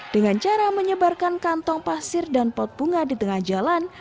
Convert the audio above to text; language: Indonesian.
dengan cara menyebarkan kantong pasir dan pot bunga di tengah jalan